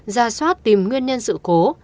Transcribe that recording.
ra soát tìm nguyên nhân sự cố